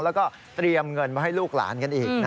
แล้วก็เตรียมเงินมาให้ลูกหลานกันอีก